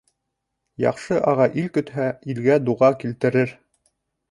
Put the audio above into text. Яҡшы аға ил көтһә, илгә дуға килтерер